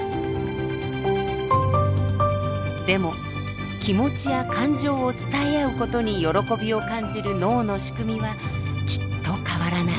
でも気持ちや感情を伝え合うことに喜びを感じる脳の仕組みはきっと変わらない。